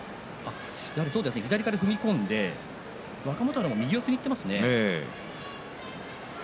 左から踏み込んで若元春も右四つにいっていますね。